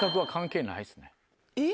えっ？